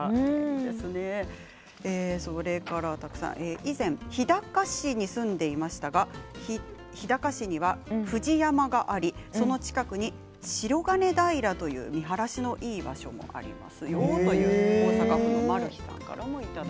以前日高市に住んでいましたが日高市には富士山がありその近くに白銀平という見晴らしのいい場所があります。